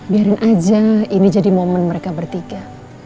biarin aja ini jadi momen mereka bertiga